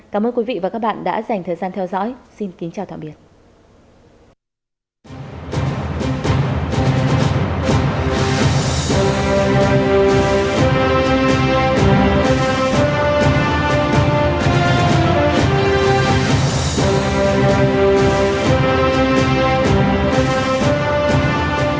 cảm ơn các bạn đã theo dõi và hẹn gặp lại